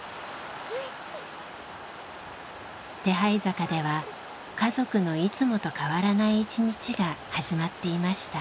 手這坂では家族のいつもと変わらない一日が始まっていました。